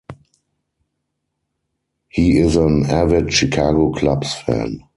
He is an avid Chicago Cubs fan.